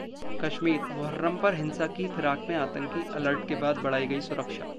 कश्मीर: मुहर्रम पर हिंसा की फिराक में आतंकी, अलर्ट के बाद बढ़ाई गई सुरक्षा